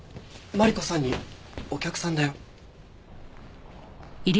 マリコさんにお客さんだよ。